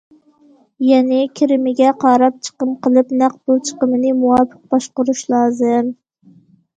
يەنى، كىرىمىگە قاراپ چىقىم قىلىپ، نەق پۇل چىقىمىنى مۇۋاپىق باشقۇرۇش لازىم.